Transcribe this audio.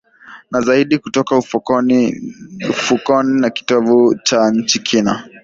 na zaidi kutoka ufukoni na kitovu cha nchi kina